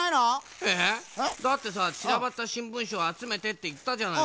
えぇ？だってさちらばったしんぶんしをあつめてっていったじゃないの。